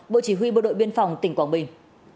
bộ chỉ huy bộ đội biên phòng tỉnh quảng bình